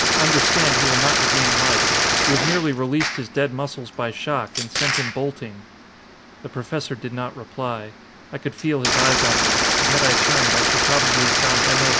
Understand, he will not regain life. You have merely released his dead muscles by shock, and sent him bolting." The Professor did not reply. I could feel his eyes on me, and had I turned, I should probably had found M. S.